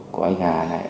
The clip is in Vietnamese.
của anh hà này